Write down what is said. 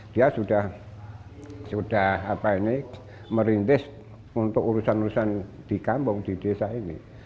dia sudah merintis untuk urusan urusan di kampung di desa ini